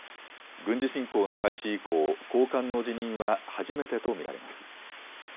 軍事侵攻の開始以降、高官の辞任は初めてと見られます。